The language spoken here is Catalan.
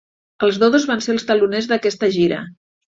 Els Dodos van ser els teloners d'aquesta gira.